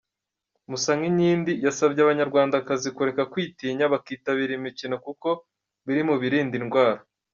Musaninkindi yasabye Abanyarwandakazi kureka kwitinya, bakitabira imikino kuko biri mu birinda indwara.